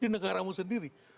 di negara kamu sendiri